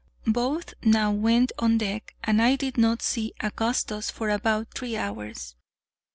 Both now went on deck, and I did not see Augustus for about three hours.